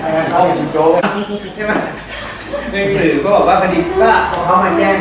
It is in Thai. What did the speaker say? ในสื่อก็บอกว่าพอมันแย่ง